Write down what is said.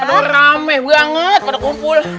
aduh rame banget pada kumpul